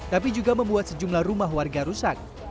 tapi juga membuat sejumlah rumah warga rusak